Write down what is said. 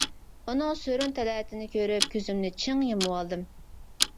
ئۇنىڭ سۆرۈن تەلەتىنى كۆرۈپ كۆزۈمنى چىڭ يۇمۇۋالدىم.